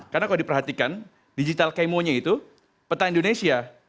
karena kalau diperhatikan digital camo nya itu peta indonesia